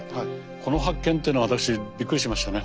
この発見っていうのは私びっくりしましたね。